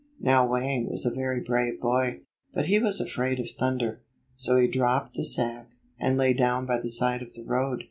Now Wang was a very brave boy, but he was afraid of thunder. So he dropped the sack, and lay down by the side of the road.